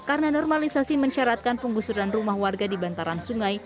karena normalisasi mensyaratkan penggusuran rumah warga di bantaran sungai